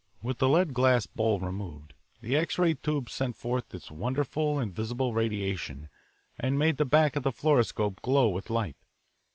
With the lead glass bowl removed, the X ray tube sent forth its wonderful invisible radiation and made the back of the fluoroscope glow with light.